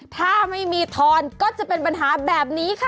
ถ้าไม่มีทอนก็จะเป็นปัญหาแบบนี้ค่ะ